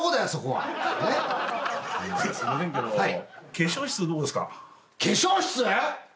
はい？